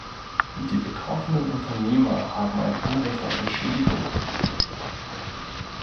Die betroffenen Unternehmer haben ein Anrecht auf Entschädigung.